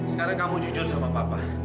sekarang kamu jujur sama papa